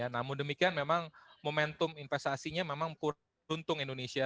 namun demikian memang momentum investasinya memang beruntung indonesia